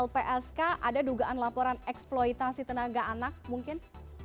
lpsk ada dugaan laporan eksploitasi tenaga anak mungkin